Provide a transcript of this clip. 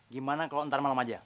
gimana kalau ntar malam aja